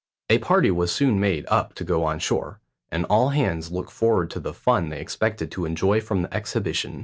A party was soon made up to go on shore, and all hands looked forward to the fun they expected to enjoy from the exhibition.